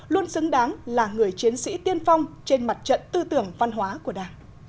luôn xứng đáng là người chiến sĩ tiên phong trên mặt trận tư tưởng văn hóa của đảng